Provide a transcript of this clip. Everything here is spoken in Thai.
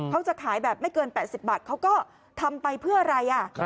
เขาจะขายแบบไม่เกินแปดสิบบาทเขาก็ทำไปเพื่ออะไรอ่ะครับ